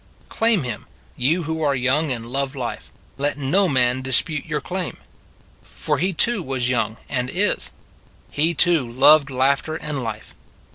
Claim Him, you who are young and love life; let no man dispute your claim. For He too was young and is; He too loved laughter and life.